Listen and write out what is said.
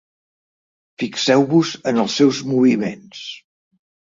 Fixeu-vos en els seus moviments.